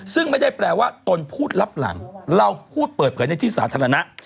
ซึ่งไม่ได้แปลว่าตนพูดรับหลังเราพูดเปิดเผยในที่สาธารณะ